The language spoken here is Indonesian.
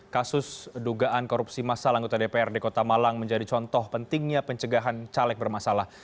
kasus dugaan korupsi masalah anggota dprd kota malang menjadi contoh pentingnya pencegahan caleg bermasalah